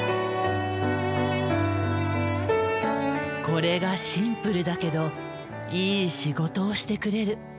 これがシンプルだけどいい仕事をしてくれる。